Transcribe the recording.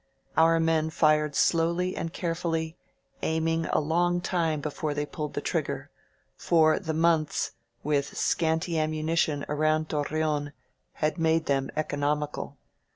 Our men fired slowly and carefully, aiming a long time before they pulled the trigger, for the months with scanty am munition around Torreon had made them economical.